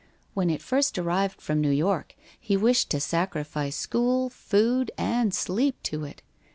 When it first arrived from New York he wished to sacrifice school, food, and sleep to it.